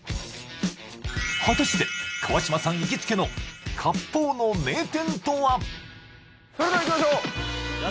果たして川島さん行きつけの割烹の名店とはそれではいきましょうやっ